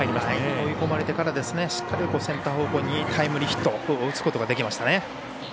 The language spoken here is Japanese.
追い込まれてからしっかりセンター方向にタイムリーヒットを打つことができましたね。